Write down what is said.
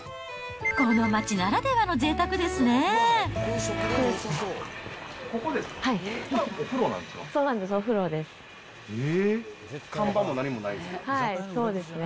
この町ならではのここですね。